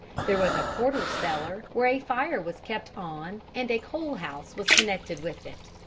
There was a porter's cellar where a fire was kept on and a coal house was connected with it.